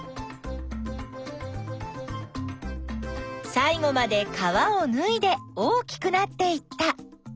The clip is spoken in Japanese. さい後まで皮をぬいで大きくなっていった。